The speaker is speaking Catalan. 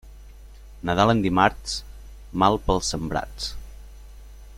Nadal en dimarts, mal pels sembrats.